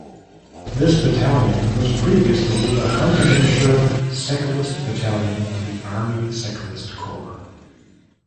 This battalion was previously the Huntingdonshire Cyclist Battalion of the Army Cyclist Corps.